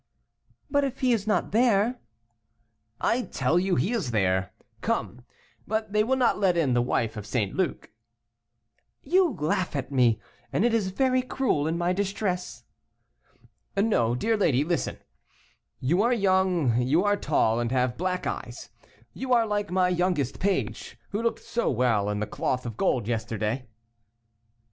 "But if he is not there?" "I tell you he is there. Come; but they will not let in the wife of St. Luc." "You laugh at me, and it is very cruel in my distress." "No, dear lady, listen. You are young, you are tall, and have black eyes; you are like my youngest page, who looked so well in the cloth of gold yesterday."